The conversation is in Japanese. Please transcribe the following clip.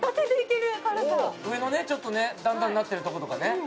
上のねちょっと段々になってるとことかね